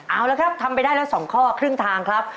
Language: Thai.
เอาละครับทำไปได้แล้ว๒ข้อครึ่งทางครับ